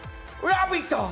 「ラヴィット！」